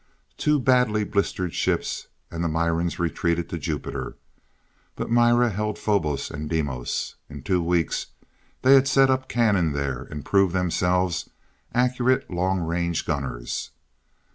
Two badly blistered ships and the Mirans retreated to Jupiter. But Mira held Phobos and Deimos. In two weeks, they had set up cannon there, and proved themselves accurate long range gunners.